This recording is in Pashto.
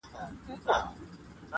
څوك به ليكي قصيدې د كونړونو-